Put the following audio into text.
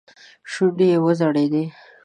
شونډې يې وځړېدې.